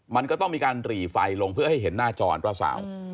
มันก็ต้องมีการหรี่ไฟลงเพื่อให้เห็นหน้าจอหรือเปล่าสาว